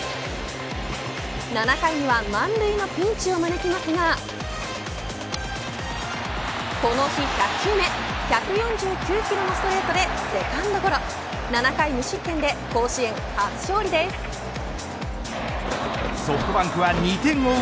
７回には満塁のピンチを招きますがこの日１００球目１４９キロのストレートでセカンドゴロ、７回無失点でソフトバンクは２点を追う